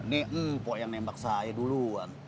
ini mpok yang nembak saya duluan